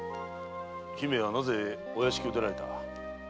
姫はなぜお屋敷を出られた？